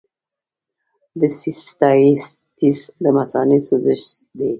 د سیسټایټس د مثانې سوزش دی.